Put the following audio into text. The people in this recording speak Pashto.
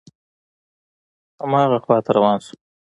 هماغه خواته روان شوم.